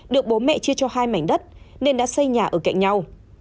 được bố mẹ chia cho hai mảnh đất nên đã xây nhà ở cạnh nhau